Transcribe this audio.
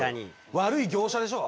悪い業者でしょう。